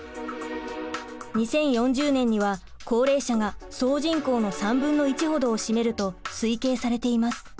２０４０年には高齢者が総人口の３分の１ほどを占めると推計されています。